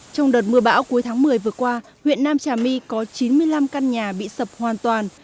trong đợt mưa bão cuối tháng một mươi vừa qua huyện nam trà my có chín mươi năm căn nhà bị sập hoàn toàn